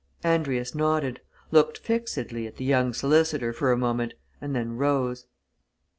Andrius nodded, looked fixedly at the young solicitor for a moment, and then rose.